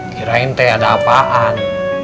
kirain teh ada apaan